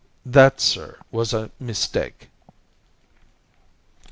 That, sir, was a mistake."